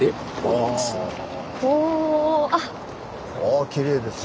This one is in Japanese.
あきれいですね。